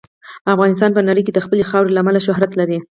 افغانستان په نړۍ کې د خپلې خاورې له امله شهرت لري.